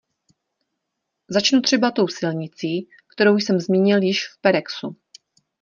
Začnu třeba tou silnicí, kterou jsem zmínil již v perexu.